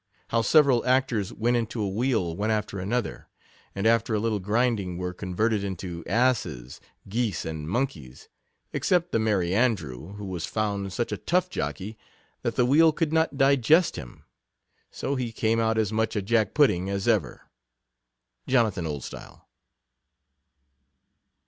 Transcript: How several actors went into awheel one after another, and after a little grinding, were converted into asses, geese, and monkeys, except the Merry Andrew, who was found such a tough jockey, that the wheel could not digest him, so he came out as much a Jack pudding as ever. Jonathan Oldstyle.